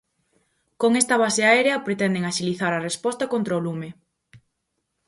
Con esta base aérea pretenden axilizar a resposta contra o lume.